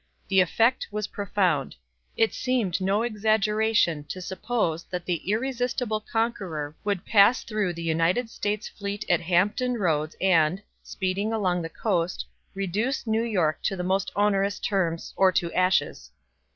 The effect was profound; it seemed no exaggeration to suppose that the irresistible conqueror would pass through the United States fleet at Hampton Roads and, speeding along the coast, reduce New York to the most onerous terms or to ashes.